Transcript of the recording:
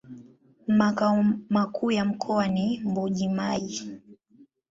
Makao makuu ya mkoa ni Mbuji-Mayi.